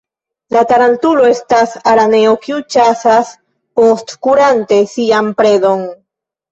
La tarantulo estas araneo, kiu ĉasas postkurante sian predon.